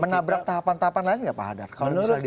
menabrak tahapan tahapan lain nggak pak hadar kalau misalnya